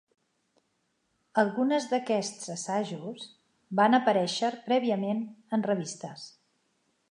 Algunes d'aquests assajos van aparèixer prèviament en revistes.